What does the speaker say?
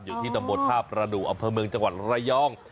อยู่ที่ตำบลท่าประดูกอำเภอเมืองจังหวัดระยอง